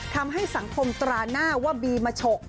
ทำให้สังคมตราหน้าว่าบีมาฉก